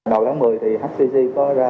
đầu lãng mười thì htc có ra